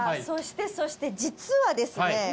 そしてそして実はですね